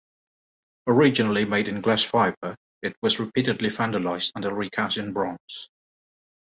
Originally made in glass-fibre it was repeatedly vandalised until re-cast in bronze.